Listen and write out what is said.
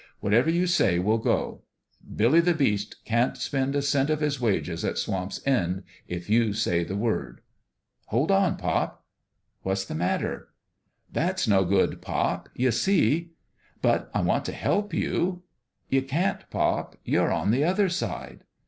Whatever you say will^ 0. Billy the FATHER AND SON 289 Beast can't spend a cent of his wages at Swamp's End if you say the word." " Hold on, pop !"" What's the matter?" "That's no good, pop. You see "" But I want to help you." " You can't, pop. You're on the other side."